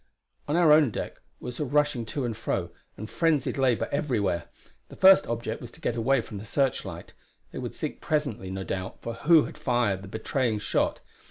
On our own deck was rushing to and fro, and frenzied labour everywhere. The first object was to get away from the searchlight; they would seek presently, no doubt, for who had fired the betraying shot.